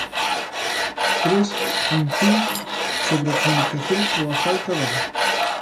'Tres' é un filme sobre a comunicación ou a falta dela.